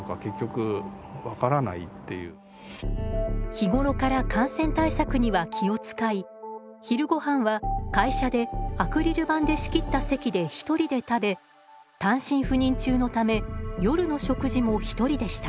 日頃から感染対策には気を遣い昼ごはんは会社でアクリル板で仕切った席で１人で食べ単身赴任中のため夜の食事も１人でした。